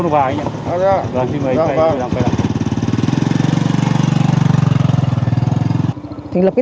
không có thẻ không được vào